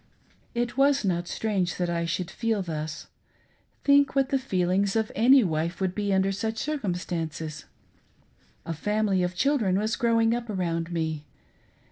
It was not strange that I should feel thus. Think what the feelings of any wife would be under such circumstances. A family of children was growing up around me.